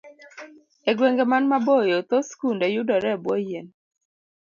E gwenge man maboyo, thoth skunde yudore e bwo yien.